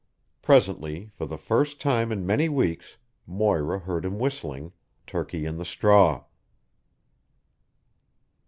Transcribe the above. Presently, for the first time in many weeks, Moira heard him whistling "Turkey in the Straw."